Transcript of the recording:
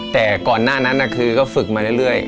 แต่ก่อนหน้านั้นคือก็ฝึกมาเรื่อย